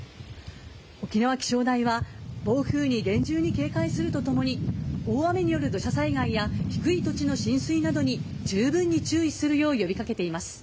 沖縄気象台は暴風雨に厳重に警戒するとともに大雨による土砂災害や低い土地の浸水などにじゅうぶんに注意するよう呼び掛けています。